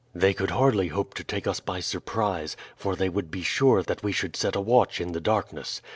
"They could hardly hope to take us by surprise, for they would be sure that we should set a watch in the darkness.